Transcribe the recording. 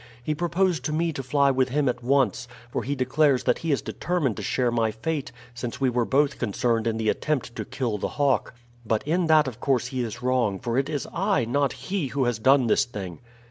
He proposed to me to fly with him at once; for he declares that he is determined to share my fate since we were both concerned in the attempt to kill the hawk. But in that of course he is wrong; for it is I, not he, who has done this thing."